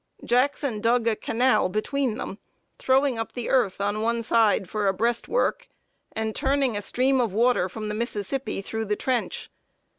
Jackson dug a canal between them, throwing up the earth on one side for a breastwork, and turning a stream of water from the Mississippi through the trench.